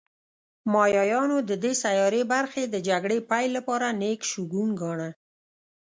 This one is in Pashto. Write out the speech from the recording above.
مایایانو د دې سیارې برخې د جګړې پیل لپاره نېک شګون گاڼه